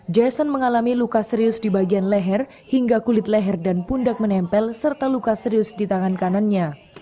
jason mengalami luka serius di bagian leher hingga kulit leher dan pundak menempel serta luka serius di tangan kanannya